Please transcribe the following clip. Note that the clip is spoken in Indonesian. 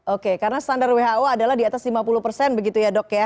oke karena standar who adalah di atas lima puluh persen begitu ya dok ya